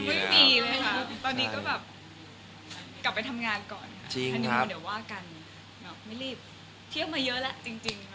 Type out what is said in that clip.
ยังไม่มีเลยตอนนี้ก็แบบกลับไปทำงานก่อนครับท่านิมูลเดี๋ยวบ้อการไม่รีบเที้ยวมาเยอะและจริง